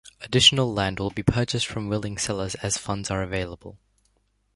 Additional land will be purchased from willing sellers as funds are available.